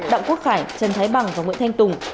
đặng quốc khải trần thái bằng và nguyễn thanh tùng